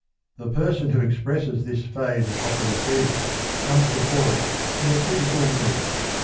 The person who expresses this phase of popular feeling comes before us in a critical mood.